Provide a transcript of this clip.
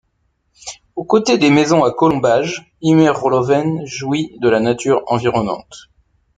Aux côtés des maisons à colombage, Ihme-Roloven jouit de la nature environnante.